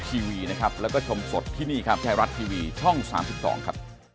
สวัสดีครับ